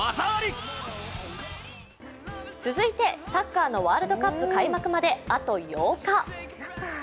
続いてサッカーのワールドカップ開幕まであと８日。